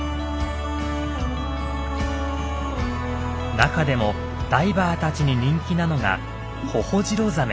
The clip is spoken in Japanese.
中でもダイバーたちに人気なのがホホジロザメ。